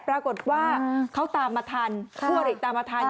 ปรากฏว่าเขาตามมาทันคู่อริตามมาทัน